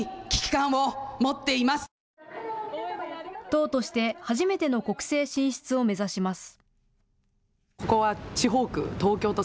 党として初めての国政進出を目指します。